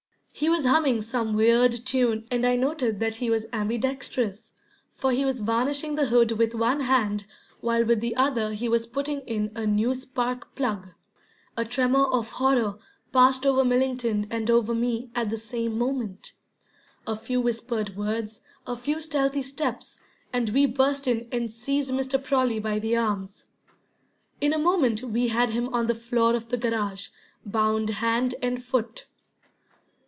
He was humming some weird tune, and I noted that he was ambidextrous, for he was varnishing the hood with one hand while with the other he was putting in a new spark plug. A tremor of horror passed over Millington and over me at the same moment. A few whispered words, a few stealthy steps, and we burst in and seized Mr. Prawley by the arms. In a moment we had him on the floor of the garage, bound hand and foot.